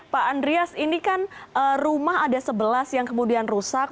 pak andreas ini kan rumah ada sebelas yang kemudian rusak